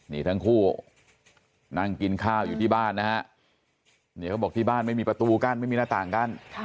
นี่ทั้งคู่นั่งกินข้าวอยู่ที่บ้านนะฮะเนี่ยเขาบอกที่บ้านไม่มีประตูกั้นไม่มีหน้าต่างกั้น